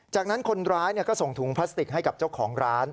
จากนั้นคนร้ายก็ส่งถุงพลาสติกให้กับเจ้าของร้าน